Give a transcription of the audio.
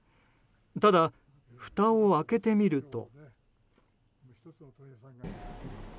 ただ、ふたを開けてみると。